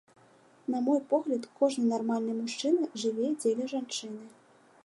На мой погляд, кожны нармальны мужчына жыве дзеля жанчыны.